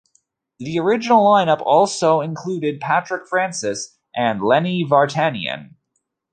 The original line-up also included Patrick Francis, and Lenny Vartanian.